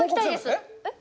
えっ？